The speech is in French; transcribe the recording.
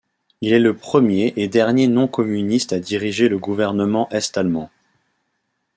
Il est le premier et dernier non-communiste à diriger le gouvernement est-allemand.